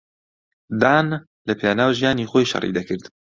دان لەپێناو ژیانی خۆی شەڕی دەکرد.